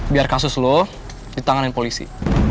biar kasus lo ditanganin polisi